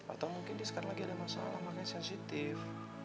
atau mungkin dia sekarang lagi ada masalah makanya sensitif